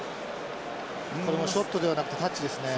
これもショットではなくてタッチですね。